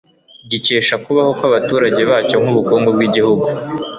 gikesha ukubaho kw'Abaturage bacyo nk'ubukungu bw'igihugu.